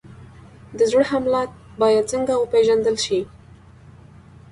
د زړه حمله باید څنګه وپېژندل شي؟